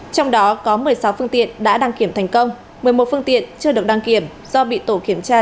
trong đó có một mươi sáu phương tiện đã đăng kiểm thành công một mươi một phương tiện chưa được đăng kiểm do bị tổ kiểm tra